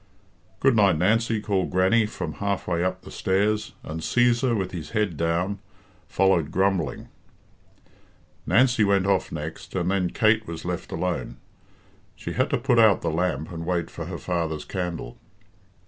"Good night, Nancy," called Grannie, from half way up the stairs, and Cæsar, with his head down, followed grumbling. Nancy went off next, and then Kate was left alone. She had to put out the lamp and wait for her father's candle.